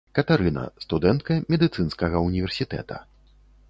Катарына, студэнтка медыцынскага ўніверсітэта.